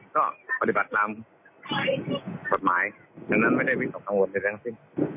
ก็ปฏิบัติตามกฎหมายดังนั้นไม่ได้วิสักทั้งหมดจริง